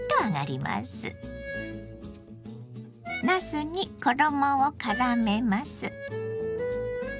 なすに衣をからめます。